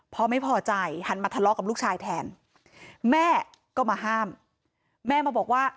พ่อไม่พอใจหันมาทะเลาะกับลูกชายแทนแม่ก็มาห้ามแม่มาบอกว่า